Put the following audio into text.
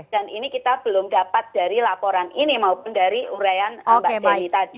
dan ini kita belum dapat dari laporan ini maupun dari uraian mbak deni tadi